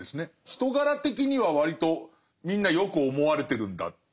人柄的には割とみんなよく思われてるんだ。